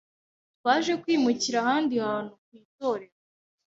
Twaje kwimukira ahandi hantu, ku itorero